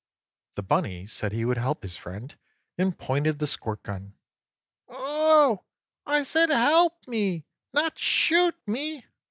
The bunny said he would help his friend, and pointed the squirt gun. "Oh, I said HELP me—not SHOOT me!"